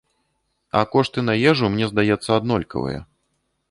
А кошты на ежу, мне здаецца, аднолькавыя.